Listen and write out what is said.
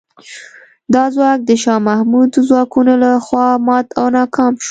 دا ځواک د شاه محمود د ځواکونو له خوا مات او ناکام شو.